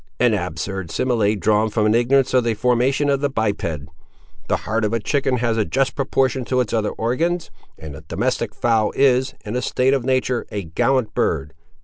"An absurd simile drawn from an ignorance of the formation of the biped. The heart of a chicken has a just proportion to its other organs, and the domestic fowl is, in a state of nature, a gallant bird.